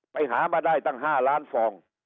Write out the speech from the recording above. ไปหามาได้ตั้ง๕ล้านฟอง